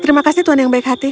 terima kasih tuhan yang baik hati